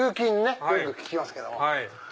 よく聞きますけども。